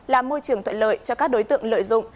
làm môi trường thuận lợi cho các đối tượng lợi dụng